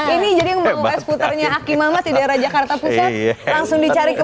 ini jadi putarnya akimah mati daerah jakarta langsung dicari ke